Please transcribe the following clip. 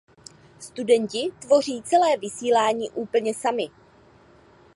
Studenti tvoří celé vysílání úplně sami.